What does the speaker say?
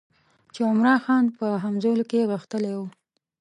چې عمرا خان په همزولو کې غښتلی وو.